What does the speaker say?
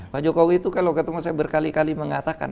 pak jokowi itu kalau ketemu saya berkali kali mengatakan